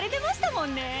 もんねぇ